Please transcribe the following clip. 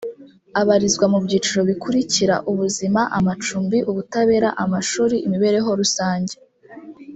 abarizwa mu byiciro bikurikira ubuzima amacumbi ubutabera amashuri imibereho rusange